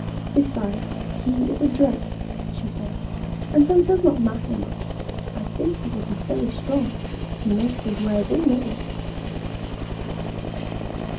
"Besides, he is a drake," she said, "and so it does not matter much. I think he will be very strong: he makes his way already."